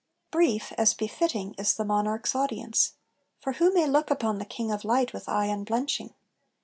Brief, as befitting, is the monarch's audience; For who may look upon the King of light With eye unblenching?